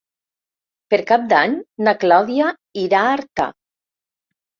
Per Cap d'Any na Clàudia irà a Artà.